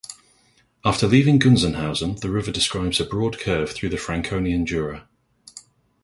After leaving Gunzenhausen the river describes a broad curve through the Franconian Jura.